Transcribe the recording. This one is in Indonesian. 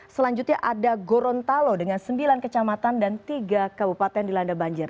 selanjutnya ada gorontalo dengan sembilan kecamatan dan tiga kabupaten dilanda banjir